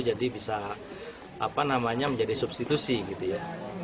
jadi bisa apa namanya menjadi substitusi gitu ya